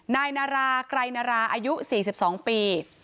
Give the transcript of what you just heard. นายนาราไกรนาราอายุ๔๒ปี